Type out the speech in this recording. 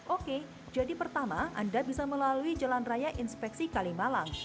oke jadi pertama anda bisa melalui jalan raya inspeksi kalimalang